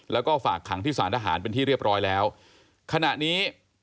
แล้วก็ฝากขังที่สารทหารเป็นที่เรียบร้อยแล้วขณะนี้